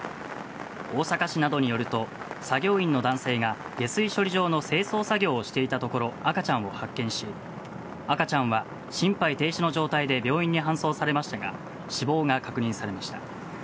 大阪市などによると作業員の男性が下水処理場の清掃作業をしていたところ赤ちゃんを発見し赤ちゃんは心肺停止の状態で病院に搬送されましたが死亡が確認されました。